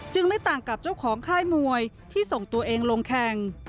ไม่ต่างกับเจ้าของค่ายมวยที่ส่งตัวเองลงแข่ง